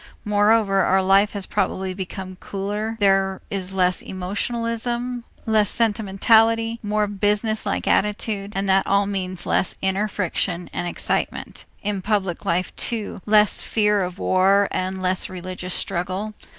Moreover our life has probably become cooler, there is less emotionalism, less sentimentality, more business like attitude, and that all means less inner friction and excitement; in public life too, less fear of war and less religious struggle.